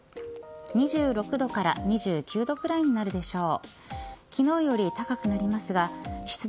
２６度から２９度くらいになるでしょう。